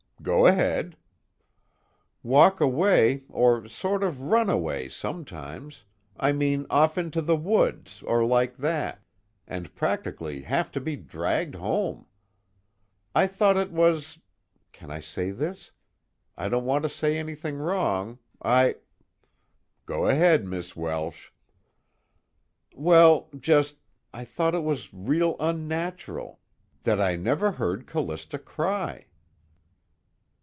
"Go ahead." "Walk away, or sort of run away sometimes, I mean off into the woods or like that, and practically have to be dragged home. I thought it was can I say this? I don't want to say anything wrong, I " "Go ahead, Miss Welsh." "Well, just I thought it was real unnatural, that I never heard Callista cry."